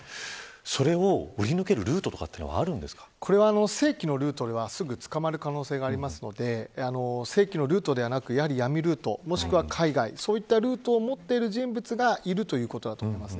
それを売り抜けるルートは正規のルートでは、すぐに捕まる可能性がありますので正規のルートではなくやはり、闇ルートもしくは海外そういうルートを持っている人物がいるということです。